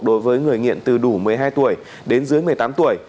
đối với người nghiện từ đủ một mươi hai tuổi đến dưới một mươi tám tuổi